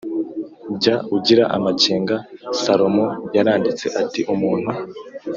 Jya ugira amakenga salomo yaranditse ati umuntu